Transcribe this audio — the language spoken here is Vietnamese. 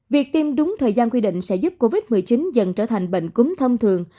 việc tiêm đúng thời gian quy định sẽ giúp covid một mươi chín dần trở thành bệnh cúm thông thường